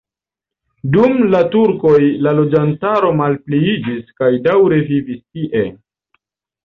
Dum la turkoj la loĝantaro malpliiĝis kaj daŭre vivis tie.